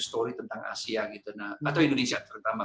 story tentang asia gitu atau indonesia terutama